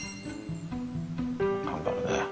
頑張るね。